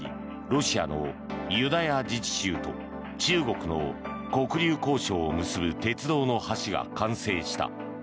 ロシアのユダヤ自治州と中国の黒竜江省を結ぶ鉄道の橋が完成した。